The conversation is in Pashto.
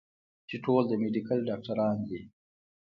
چې ټول د ميډيکل ډاکټران دي